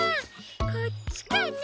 こっちかな？